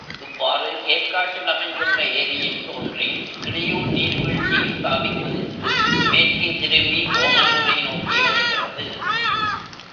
இவ்வாறு ஏர்க்காட்டில் அமைந்துள்ள ஏரியில் தோன்றி, கிளியூர் நீர்வீழ்ச்சியில் தாவிக்குதித்து, மேற்கே திரும்பி ஓமலூரை நோக்கி ஓடுகிறது.